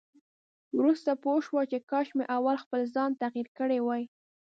وروسته پوه شو چې کاش مې اول خپل ځان تغيير کړی وای.